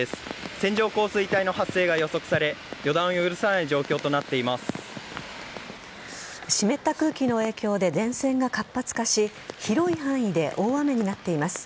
線状降水帯の発生が予測され予断を許さない状況と湿った空気の影響で前線が活発化し広い範囲で大雨になっています。